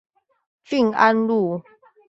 郡安路